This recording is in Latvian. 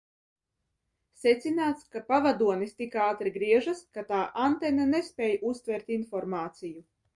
Secināts, ka pavadonis tik ātri griežas, ka tā antena nespēj uztvert informāciju.